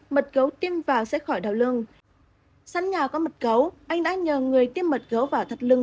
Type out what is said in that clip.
mật gấu tiêm vào sẽ khỏi đau lưng săn nhà có mật gấu anh đã nhờ người tiêm mật gấu vào thật lưng